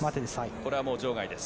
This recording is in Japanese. これはもう場外です。